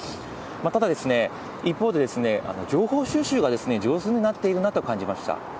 ただ、一方で、情報収集が上手になっているなと感じました。